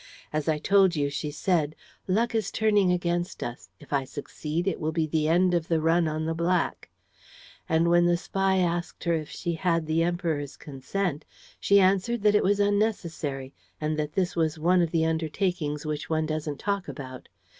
As I told you, she said, 'Luck is turning against us. If I succeed, it will be the end of the run on the black.' And, when the spy asked her if she had the Emperor's consent, she answered that it was unnecessary and that this was one of the undertakings which one doesn't talk about.